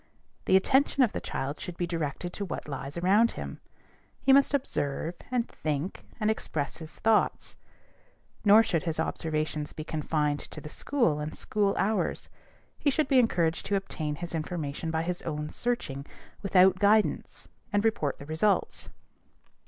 The attention of the child should be directed to what lies around him. He must observe, and think, and express his thoughts. Nor should his observations be confined to the school and school hours. He should be encouraged to obtain his information by his own searching, without guidance, and report the results.